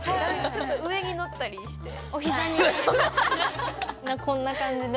ちょっと上に乗ったりして。